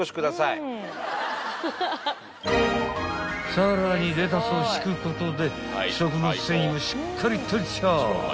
［さらにレタスを敷くことで食物繊維もしっかり取れちゃう］